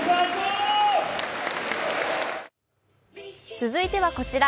続いては、こちら。